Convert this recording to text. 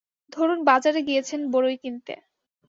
ধরুন বাজারে গিয়েছেন বড়ই কিনতে।